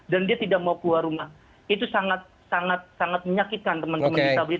dan dia tidak mau keluar rumah itu sangat sangat menyakitkan teman teman disabilitas mas ferry